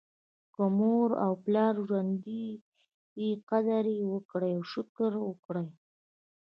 که مو مور او پلار ژوندي دي قدر یې وکړئ او شکر وکړئ.